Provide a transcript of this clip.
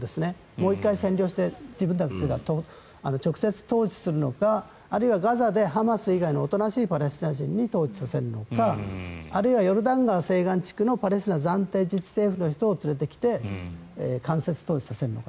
もう１回占領して自分たちが直接統治するのかあるいはガザでハマス以外の大人しいパレスチナ人に統治させるのかあるいはヨルダン川西岸地区のパレスチナ暫定自治政府の人を連れてきて間接統治させるのか。